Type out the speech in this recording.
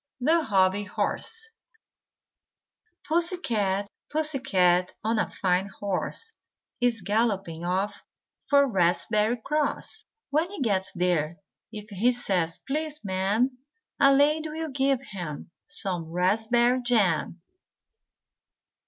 THE HOBBY HORSE Pussy Cat, Pussy Cat on a fine horse Is galloping off for Raspberry Cross. When he gets there if he says "Please, Ma'am," A lady will give him some raspberry jam.